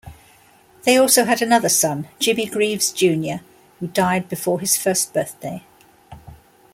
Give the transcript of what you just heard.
They also had another son, Jimmy Greaves Junior, who died before his first birthday.